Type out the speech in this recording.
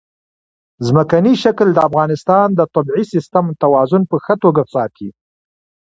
ځمکنی شکل د افغانستان د طبعي سیسټم توازن په ښه توګه ساتي.